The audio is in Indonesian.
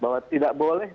bahwa tidak boleh